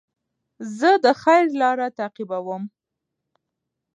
زه د خیر لاره تعقیبوم.